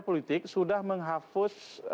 politik sudah menghapus